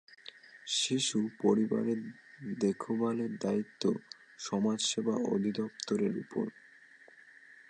শিশু পরিবারের দেখভালের দায়িত্ব সমাজসেবা অধিদপ্তরের ওপর।